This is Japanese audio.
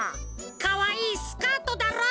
かわいいスカートだろ？